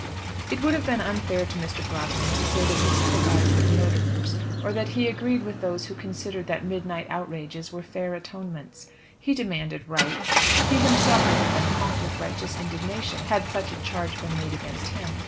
It would have been unfair to Mr. Brosnan to say that he sympathised with murderers, or that he agreed with those who considered that midnight outrages were fair atonements; he demanded rights. He himself would have been hot with righteous indignation, had such a charge been made against him.